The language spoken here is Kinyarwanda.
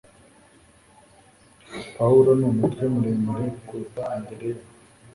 Pawulo ni umutwe muremure kuruta Andereya